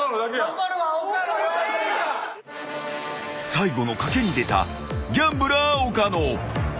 ［最後の賭けに出たギャンブラー岡野］